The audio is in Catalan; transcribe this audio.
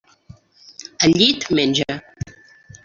El llit menja.